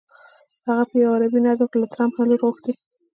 هغه په یوه عربي نظم کې له ټرمپ نه لور غوښتې.